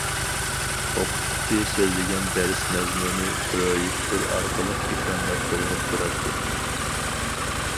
ئوقۇتقۇچى سۆزلىگەن دەرس مەزمۇنى پىرويېكتور ئارقىلىق ئېكراندا كۆرۈنۈپ تۇراتتى.